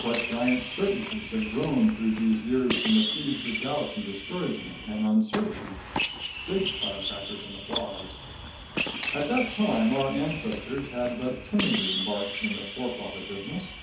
What giant certainties have grown through these years from the seeds of doubt and discouragement and uncertainty! (Big firecrackers and applause.) [Illustration: MR. FRANKLIN EXPERIMENTS.] At that time our ancestors had but timidly embarked in the forefather business.